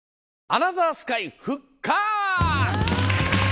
『アナザースカイ』復活！